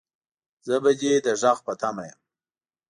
زه به دې د غږ په تمه يم